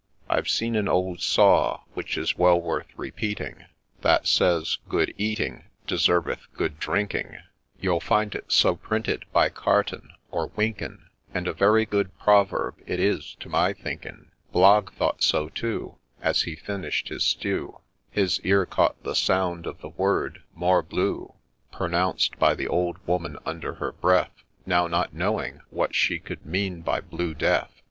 I've seen an old saw, which is well worth repeating, That says, CEatmtge Uctftrbetf) goo H3 202 MR. PETERS'S STORY You'll find it so printed by Canton or And a very good proverb it is to my thinking. Blogg thought so too ;— As he finish'd his stew, His ear caught the sound of the word ' Morbleu I ' Pronounced by the old woman under her breath. Now, not knowing what she could mean by ' Blue Death